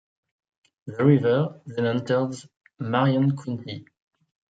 The river then enters Marion County.